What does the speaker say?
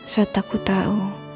saat aku tau